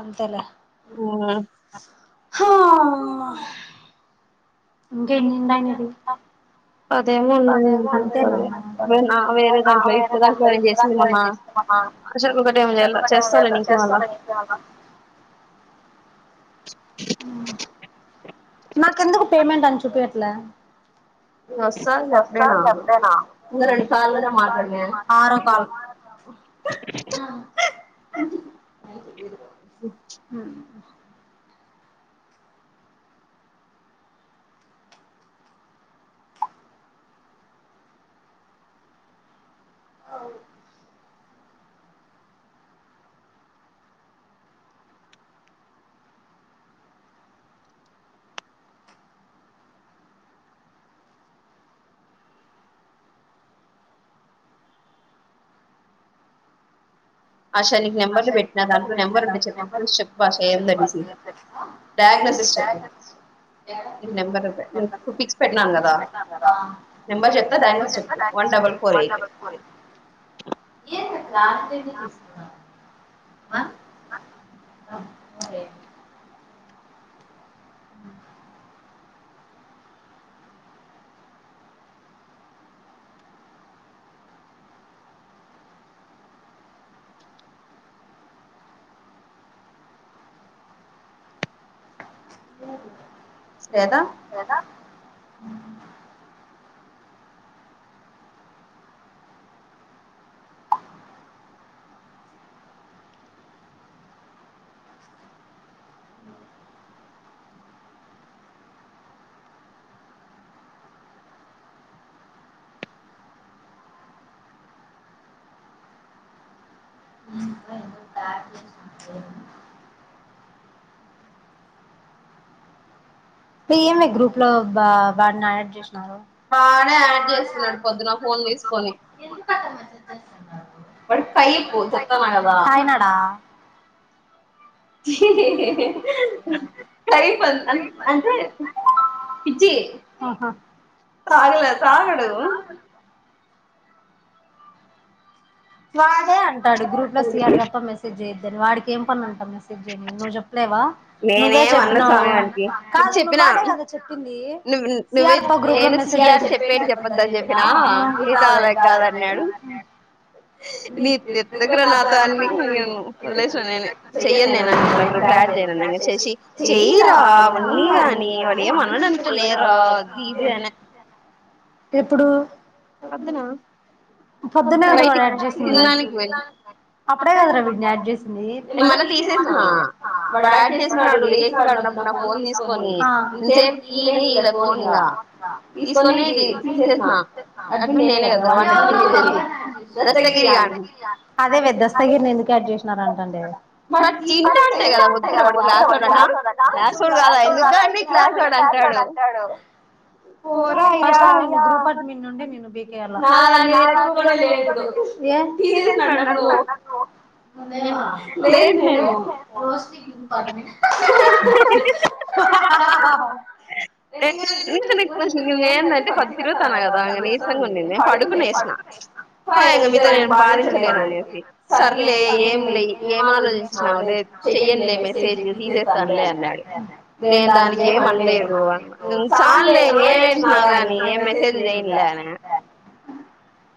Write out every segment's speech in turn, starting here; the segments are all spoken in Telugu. అంతేలే హా ఇంక ఎన్ని ఉండాయి నీవి అంతేనా ఉమ్ నాకెందుకు పేమెంట్ అని చూపియట్లే వస్తాది లే అప్పుడేనా ఇంగ రెండు సార్లు అయిన మాట్లాడు మే ఆరో కాల్ ఉమ్ అవ్ ఆశ నీకు నంబర్లు పెట్టిన దాంట్లో నంబర్ వుంటది చెప్ చూసి చెప్పు ఆశ అందులో చూసి డయాగ్నోసిస్ చెప్పు పిక్స్ పెట్టినాను కదా నెంబర్ చెప్తా డైల్ చేసి చెప్పు వన్ డబల్ ఫోర్ ఎయిట్ ఏం పెట్టలే ఆ అ [unintelligible] వేద వేద ఏమే గ్రూప్ లో బ వాడిని యాడ్ చేశ్నారు, తాగినాడా. హిహిహిహిహిహ్ కైప్ అన్ అన్ అహ వాడే అంటాడు గ్రూప్ లో సీ ఆర్ తప్ప మెసేజ్ జేయొద్దని వాడికేం పనంట మెసేజ్ జేని నువ్ జెప్పలేవా నువ్వే చెప్పినావు. కాదు నువ్ వాడే గదా చెప్పిందీ సి ఆర్ తో గ్రూప్ లో మెసేజ్ జేయుచు ఆ ఆ ఉ నీకెద్దుకురా నాతో అన్నీ నేను వదిలేశ్న నేనే, చెయ్యన్ నేను అని గ్రూప్ లో యాడ్ చేయనన్న. ఇంకా చేసి చెయరా అవన్నీ గానీ వాడు ఏం అనడంట లేరా అది ఇది అనె. ఎప్పుడూ పొద్దునా పొద్దున్నే కద రా యాడ్ చేసింది, అప్పుడే గదరా వీడిని యాడ్ చేసిందీ ఆ. అడ్మిన్ నేనే గదా వాన్ [inaudible] అదే వే దస్తగిరిని ఎందుకు యాడ్ చేసినారంటాండే [unintelligible] పీకేయల్లా [unintelligible] బాగా నీరసంగా ఉండింది పడుకుని ఏసిన ప ఇంగ మీతొ వాధించలేను సర్లే ఏం లేదు ఏమాలోచించను చెయ్యన్ లేవే మెసేజ్ తీసేస్తా నులే అ నేను దానికి ఏమన్లేదు సర్లే ఇంగ ఏం ఏడ్చినవ్ గాని ఈ మసేజ్ జేయన్ లే అనా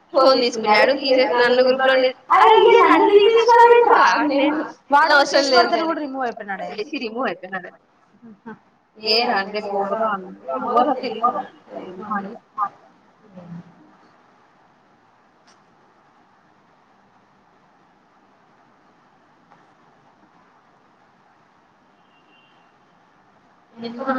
[unintelligible] ఎందుకో [inaudible]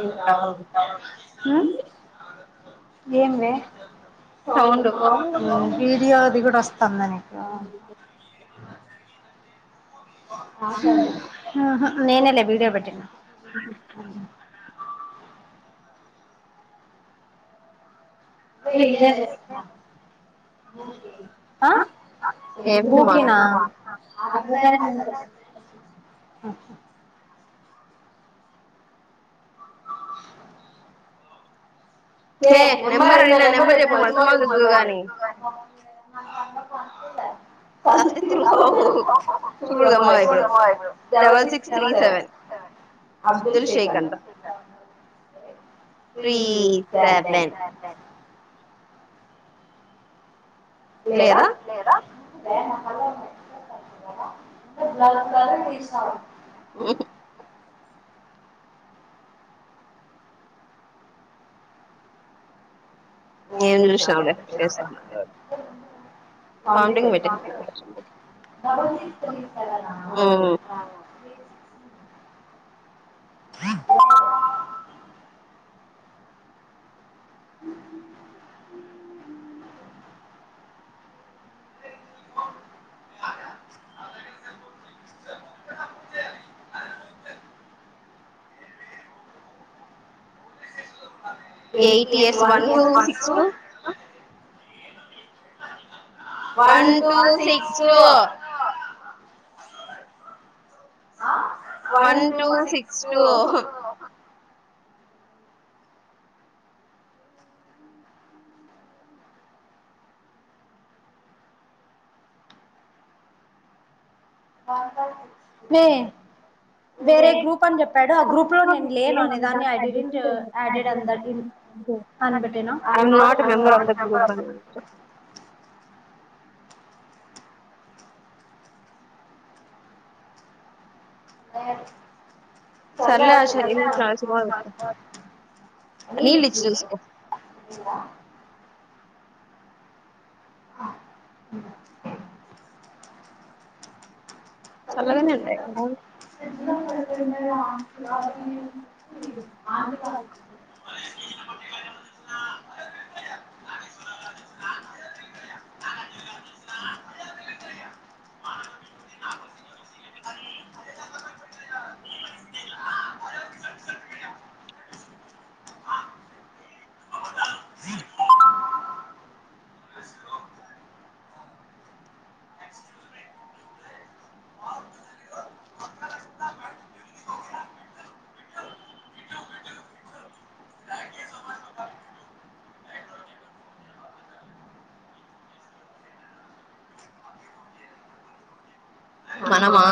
అంటావు ఏం వే సౌండు వీడియో అది కూడా వస్తంద నీకు ఉహు నేనే లె వీడియో పెట్టింది జ [unintelligible] ఆ ఏంటి మానస అందుకని ఉన్న అ ఏ నెంబర్ అడిగిన నెంబర్ చెప్పు మనసు మళ్ళిద్దువు గాని seven six three seven Abdul Sheikh అంట త్రి సెవెన్ లేదా లేదా తుద [inaudible] నాలుకాళ్ళు తీసినావు ఏ [inaudible] ఏ [unintelligible] ఇ [unintelligible] eight years one two six two one two six two one two six two మేయి వేరే గ్రూప్ అని చెప్పాడు. ఆ గ్రూప్ లో నేను లేను అనేదాన్ని I didn't added in that అనిపెట్టేనా. ఆ చలిచ్చ [unintelligible] చల్లగనే ఉండయి కదా ఆంత [unintelligible] మనమా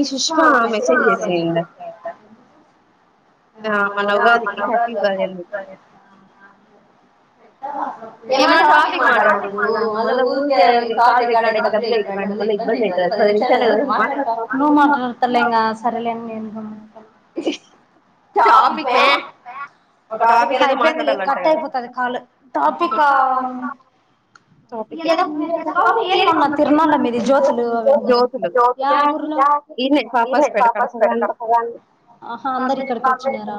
సష్ [unintelligible] ఊబ్బ పది నిాలర [unintelligible] అయిపోయింది లే కట్ అయిపోతది కాలు టాపికా ఏమి మొన్న తిరునాల మీద జ్యోతులు అవి అంతా ఏ ఊర్లో అహ అందరు ఇక్కడికి వచ్చినారా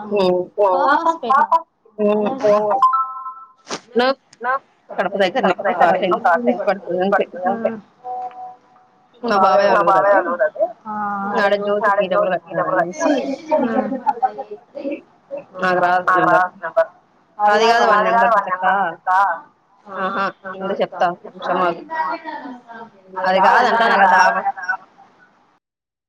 కడదడ ఆ హు అ టక కదాబ్